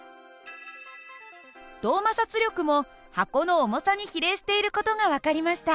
動摩擦力も箱の重さに比例している事が分かりました。